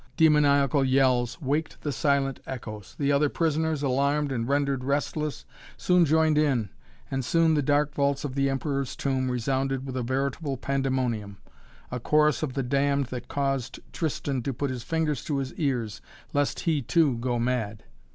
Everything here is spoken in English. Demoniacal yells waked the silent echoes. The other prisoners, alarmed and rendered restless, soon joined in, and soon the dark vaults of the Emperor's Tomb resounded with a veritable pandemonium, a chorus of the damned that caused Tristan to put his fingers to his ears lest he, too, go mad.